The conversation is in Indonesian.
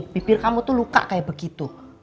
bibir kamu tuh luka kayak begitu